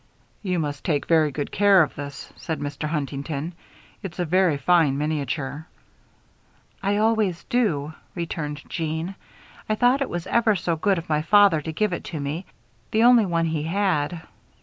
"You must take very good care of this," said Mr. Huntington. "It's a very fine miniature." "I always do," returned Jeanne. "I thought it was ever so good of my father to give it to me the only one he had."